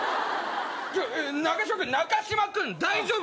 中嶋君中嶋君大丈夫？